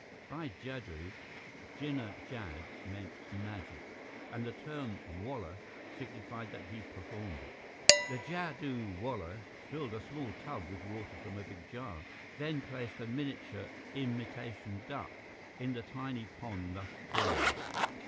By "jadoo" Jinnah Jad meant "magic," and the term "wallah" signified that he performed it. The jadoo wallah filled a small tub with water from a big jar, then placed a miniature imitation duck in the tiny pond thus formed.